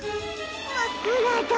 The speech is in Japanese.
まっくらだ。